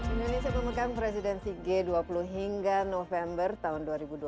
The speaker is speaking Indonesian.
indonesia memegang presidensi g dua puluh hingga november tahun dua ribu dua puluh